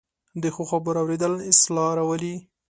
د ښو خبرو اورېدل اصلاح راولي